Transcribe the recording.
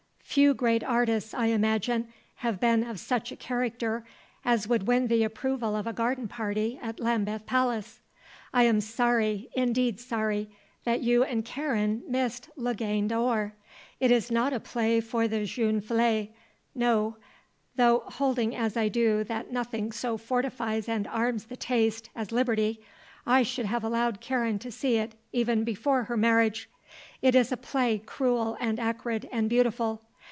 Few great artists, I imagine, have been of such a character as would win the approval of a garden party at Lambeth Palace. I am sorry, indeed sorry, that you and Karen missed La Gaine d'Or. It is not a play for the jeune fille; no; though, holding as I do that nothing so fortifies and arms the taste as liberty, I should have allowed Karen to see it even before her marriage. It is a play cruel and acrid and beautiful.